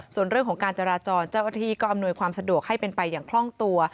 ส่วนเรื่องของการจราจรเจ้าหน้าที่ก็อำนวยความสะดวกให้เป็นไปอย่างคล่องตัว